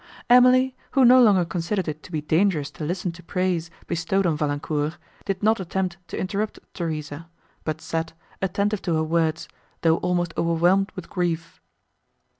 Emily, who no longer considered it to be dangerous to listen to praise, bestowed on Valancourt, did not attempt to interrupt Theresa, but sat, attentive to her words, though almost overwhelmed with grief.